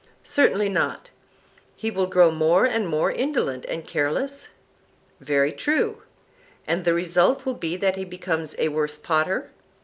Certainly not. He will grow more and more indolent and careless? Very true. And the result will be that he becomes a worse potter?